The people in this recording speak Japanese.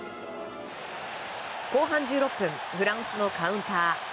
後半１６分フランスのカウンター。